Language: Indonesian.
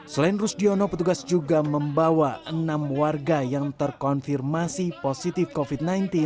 selain rusdiono petugas juga membawa enam warga yang terkonfirmasi positif covid sembilan belas